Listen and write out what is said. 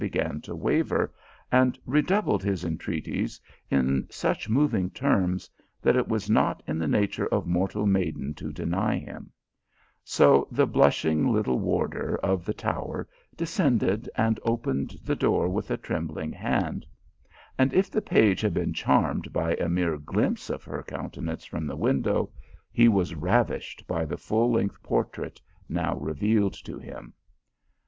227 began to waver, and redoubled his entreaties in such moving terms, that it was not in the nature of mortal maiden to deny him ; so, the blushing little warder of the tower descended and opened the door with a trembling hand ; and if the page had been charmed by a mere glimpse of her countenance from the win dow, he was ravished by the full length portrait now revealed to him.